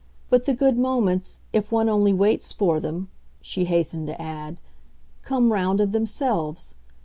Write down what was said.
But the good moments, if one only waits for them," she hastened to add, "come round of themselves.